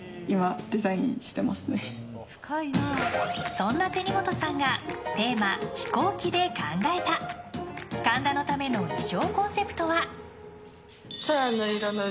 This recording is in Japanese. そんな銭本さんがテーマ飛行機で考えた神田のための衣装コンセプトは。